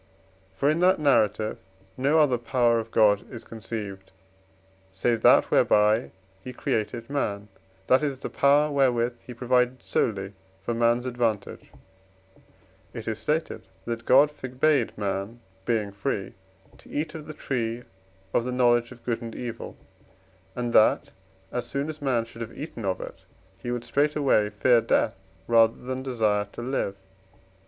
For in that narrative no other power of God is conceived, save that whereby he created man, that is the power wherewith he provided solely for man's advantage; it is stated that God forbade man, being free, to eat of the tree of the knowledge of good and evil, and that, as soon as man should have eaten of it, he would straightway fear death rather than desire to live.